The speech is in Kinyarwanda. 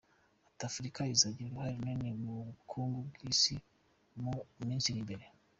Ati “Afurika izagira uruhare runini mu bukungu bw’Isi mu minsi iri imbere.